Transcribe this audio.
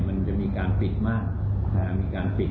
มันจะมีการปิดมากมีการปิด